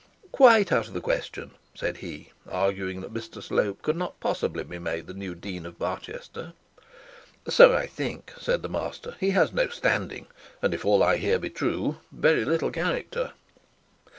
'Quite out of the question,' said he, arguing that Mr Slope could not possibly be made the new Dean of Barchester. 'So I think,' said the master. 'He has no standing, and, if all I hear be true, very little character.'